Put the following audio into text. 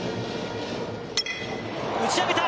打ち上げた。